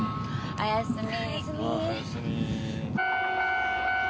おやすみ。